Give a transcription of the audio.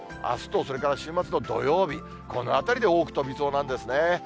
あすとそれから週末の土曜日、このあたりで多く飛びそうなんですね。